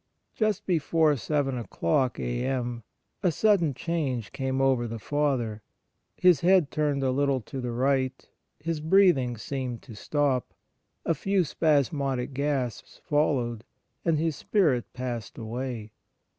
... Just before seven o'clock a.m. a sudden change came over the Father ; his head turned a little to the right, his breathing seemed to stop ; a few spasmodic gasps followed, and his spirit passed away.